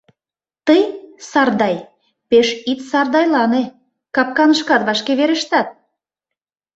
Тый, Сардай, пеш ит сардайлане капканышкат вашке верештат!..